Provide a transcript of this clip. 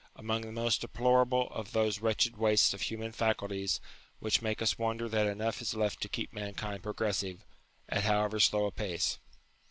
among the most deplorable of those wretched wastes of human faculties which make us wonder that enough is left to keep mankind progressive, at however slow a pace.